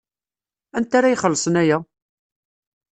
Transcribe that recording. Anta ara ixellṣen aya?